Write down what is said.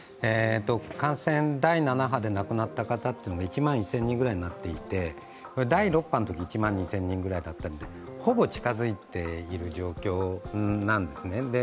感染第７波で亡くなった方っていうのは１万１０００人ぐらいになっていて、第６波のとき１万２０００人ぐらいだったのでほぼ近づいている状況なんですね。